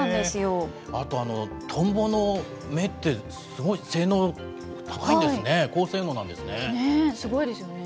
あと、トンボの目って、すごい性能高いんですね、高性能なんすごいですよね。